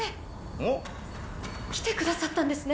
おっ？来てくださったんですね。